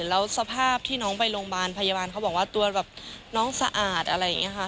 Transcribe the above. แล้วสภาพที่น้องไปโรงพยาบาลพยาบาลเขาบอกว่าตัวแบบน้องสะอาดอะไรอย่างนี้ค่ะ